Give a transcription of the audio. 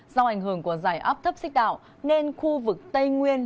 do ảnh hưởng của giải áp thấp xích đạo nên khu vực tây nguyên